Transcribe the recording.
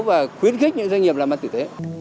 và khuyến khích những doanh nghiệp làm ăn tử tế